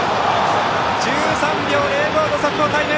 １３秒０５の速報タイム！